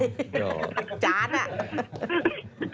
หักจ้านอ่ะ